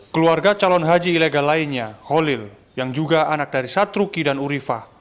keluarga calon haji ilegal lainnya holil yang juga anak dari satruki dan urifah